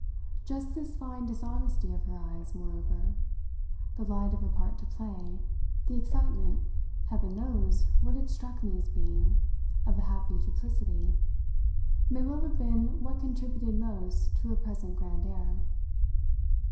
Just this fine dishonesty of her eyes, moreover the light of a part to play, the excitement (heaven knows what it struck me as being!) of a happy duplicity may well have been what contributed most to her present grand air.